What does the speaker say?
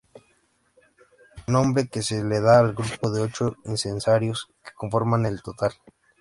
Nombre que se le da al grupo de ocho incensarios que conforman el total.